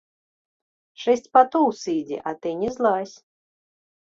Шэсць патоў сыдзе, а ты не злазь.